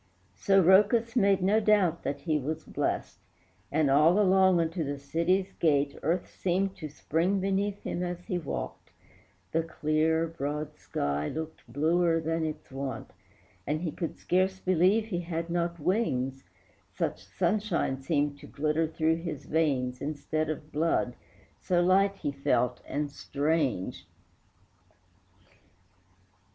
So Rhœcus made no doubt that he was blest, And all along unto the city's gate Earth seemed to spring beneath him as he walked, The clear, broad sky looked bluer than its wont, And he could scarce believe he had not wings Such sunshine seemed to glitter through his veins Instead of blood, so light he felt and strange.